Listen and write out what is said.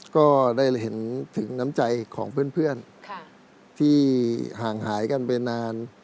ก็ได้เห็นถึงน้ำใจของเพื่อนที่ห่างหายกันไปนาน